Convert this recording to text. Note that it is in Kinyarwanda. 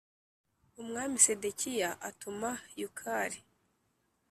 Umwami Sedekiya atuma Yukali.